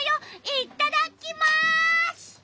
いっただきます！